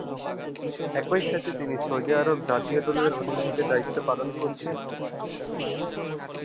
একই সাথে তিনি সৌদি আরব জাতীয় দলের অধিনায়কের দায়িত্ব পালন করছেন।